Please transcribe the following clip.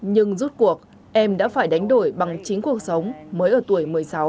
nhưng rút cuộc em đã phải đánh đổi bằng chính cuộc sống mới ở tuổi một mươi sáu